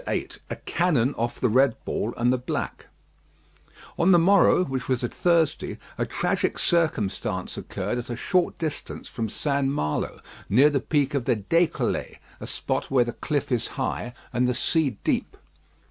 VIII A "CANNON" OFF THE RED BALL AND THE BLACK On the morrow, which was a Thursday, a tragic circumstance occurred at a short distance from St. Malo, near the peak of the "Décollé," a spot where the cliff is high and the sea deep.